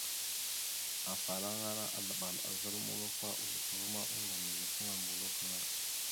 Afalaŋa aslaɓal a zal mulofa o voto ava ma, oŋgov mazafaŋa mbolo gaŋa.